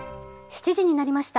７時になりました。